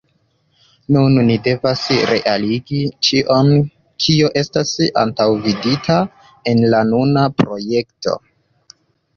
Nun ni devas realigi ĉion kio estas antaŭvidita en la nuna projekto.